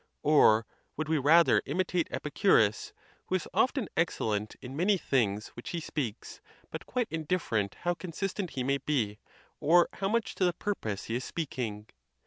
Or would we rather im itate Epicurus? who is often excellent in many things which he speaks, but quite indifferent how consistent he may be, or how much to the purpose he is speaking.